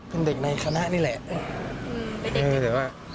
เป็นเด็กในคณะนี่แหละ